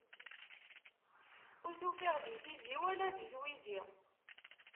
Ur t-ufiɣ di tizi, wala di twizi.